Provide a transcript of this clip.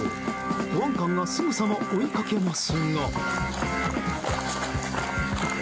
保安官がすぐさま追いかけますが。